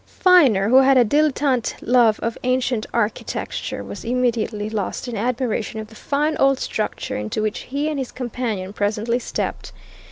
Viner, who had a dilettante love of ancient architecture, was immediately lost in admiration of the fine old structure into which he and his companion presently stepped.